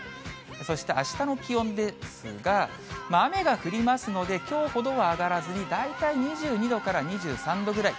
そしてあしたの気温ですが、雨が降りますのできょうほどは上がらずに、大体２２度から２３度ぐらい。